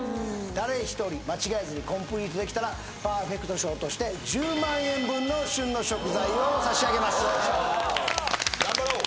誰一人間違えずにコンプリートできたらパーフェクト賞として１０万円分の旬の食材を差し上げます頑張ろう